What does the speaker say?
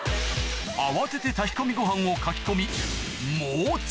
慌てて炊き込みご飯をかき込み